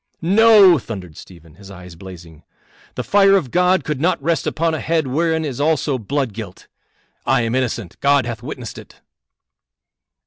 "No!" thundered Stephen, his eyes blazing. "The fire of God could not rest upon a head whereon is also blood guilt. I am innocent; God hath witnessed it."